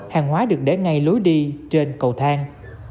hàng hóa được để ngay lối đi trên cầu thang